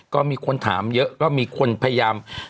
ก็มีคนถามเยอะก็มีคนพยายาม